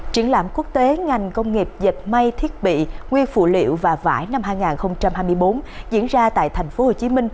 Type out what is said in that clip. triển lãm quốc tế ngành công nghiệp dịch may thiết bị nguyên phụ liệu và vải năm hai nghìn hai mươi bốn diễn ra tại tp hcm